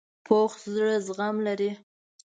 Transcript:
پوخ زړه زغم لري